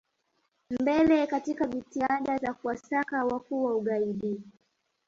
mbele katika jitihada za kuwasaka wakuu wa ugaidi